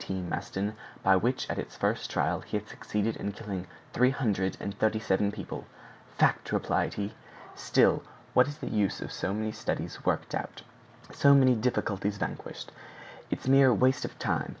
T. Maston, by which, at its first trial, he had succeeded in killing three hundred and thirty seven people. "Fact!" replied he. "Still, what is the use of so many studies worked out, so many difficulties vanquished? It's mere waste of time!